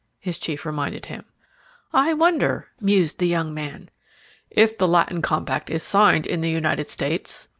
his chief reminded him. "I wonder!" mused the young man. "If the Latin compact is signed in the United States